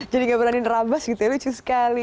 jadi gak berani nerambas gitu ya lucu sekali